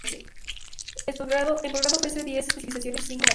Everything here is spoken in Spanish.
En posgrado ofrece diez especializaciones y cinco maestrías.